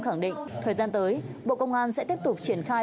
khẳng định thời gian tới bộ công an sẽ tiếp tục triển khai